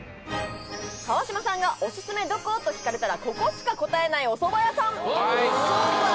川島さんがオススメどこ？と聞れたらここしか答えないおそば屋さん